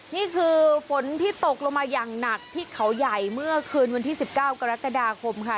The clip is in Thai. นี่คือฝนที่ตกลงมาอย่างหนักที่เขาใหญ่เมื่อคืนวันที่๑๙กรกฎาคมค่ะ